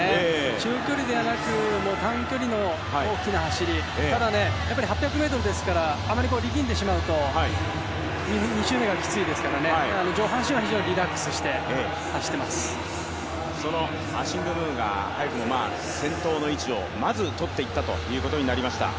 中距離ではなく、短距離の大きな走り、ただ８００ｍですからあまり力んでしまうと２周目がきついですから、上半身は非常にリラックスして走っていアシング・ムーが先頭の位置をまず取っていったということになりました。